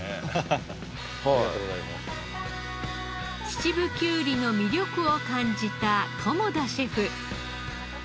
秩父きゅうりの魅力を感じた菰田シェフ。